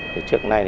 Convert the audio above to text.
từ trước nay